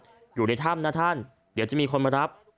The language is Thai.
ชายสองคนย้ำอยู่ในถ้ำนะท่านเดี๋ยวจะมีคนมารับ